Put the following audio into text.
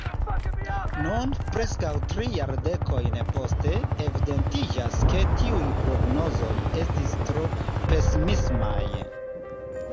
Nun, preskaŭ tri jardekojn poste, evidentiĝas ke tiuj prognozoj estis tro pesimismaj.